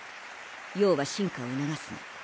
要は進化を促すの。